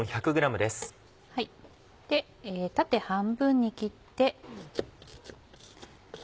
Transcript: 縦半分に切って。